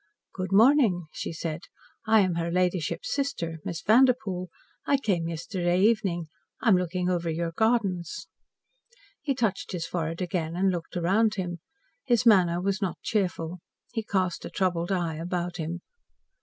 "Good morning," she said. "I am her ladyship's sister, Miss Vanderpoel. I came yesterday evening. I am looking over your gardens." He touched his forehead again and looked round him. His manner was not cheerful. He cast a troubled eye about him.